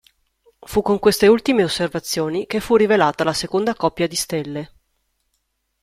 Fu con queste ultime osservazioni che fu rivelata la seconda coppia di stelle.